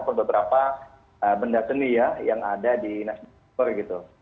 lepisan beberapa benda seni ya yang ada di nasdem tower gitu